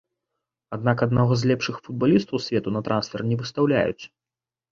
Аднак аднаго з лепшых футбалістаў свету на трансфер не выстаўляюць.